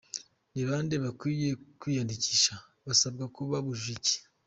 Ni bande bakwiye kwiyandikisha? Basabwa kuba bujuje iki ?.